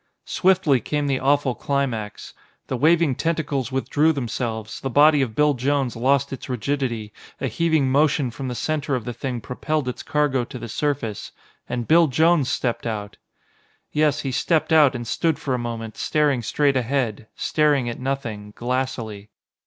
Swiftly came the awful climax. The waving tentacles withdrew themselves, the body of Bill Jones lost its rigidity, a heaving motion from the center of the Thing propelled its cargo to the surface and Bill Jones stepped out! Yes, he stepped out and stood for a moment staring straight ahead, staring at nothing, glassily.